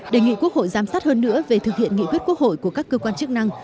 đề nghị quốc hội giám sát hơn nữa về thực hiện nghị quyết quốc hội của các cơ quan chức năng